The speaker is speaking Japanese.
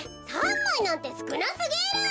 ３まいなんてすくなすぎる。